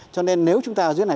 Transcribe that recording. cho nên nếu chúng ta ở dưới này